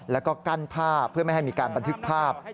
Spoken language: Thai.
แล้วก็กั้นผ้าเพื่อไม่ให้มีการบันทึกภาพ